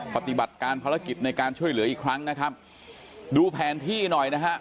ปฏิบัติการภารกิจในการช่วยเหลืออีกครั้งนะครับดูแผนที่หน่อยนะฮะ